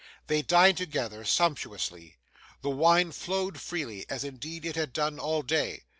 They dined together, sumptuously. The wine flowed freely, as indeed it had done all day.